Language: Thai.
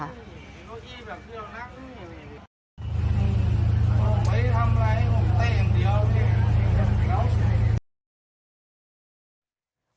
ไม่ได้ทำไรออกเต้นเดียว